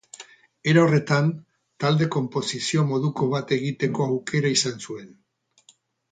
Era horretan, talde-konposizio moduko bat egiteko aukera izan zuen.